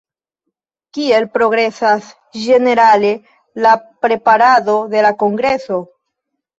Kiel progresas ĝenerale la preparado de la kongreso?